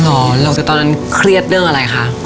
หรอแล้วแต่ตอนนั้นเครียดเรื่องอะไรคะ